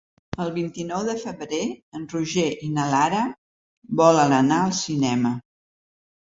El vint-i-nou de febrer en Roger i na Lara volen anar al cinema.